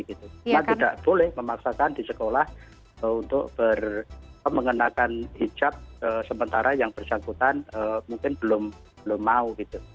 kita tidak boleh memaksakan di sekolah untuk mengenakan hijab sementara yang bersangkutan mungkin belum mau